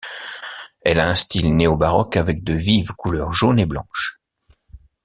Elle a un style néo-baroque avec de vives couleurs jaune et blanche.